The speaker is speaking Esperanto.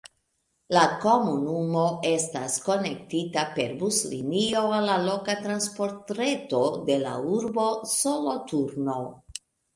La komunumo estas konektita per buslinio al la loka transportreto de la urbo Soloturno.